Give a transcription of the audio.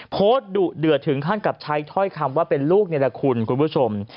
ดุเดือดถึงขั้นกับใช้ถ้อยคำว่าเป็นลูกนี่แหละคุณผู้ชม